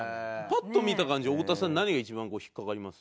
パッと見た感じ太田さん何が一番引っかかります？